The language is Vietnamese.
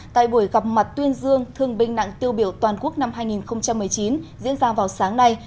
tại buổi gặp mặt tuyên dương thương binh nặng tiêu biểu toàn quốc năm hai nghìn một mươi chín diễn ra vào sáng nay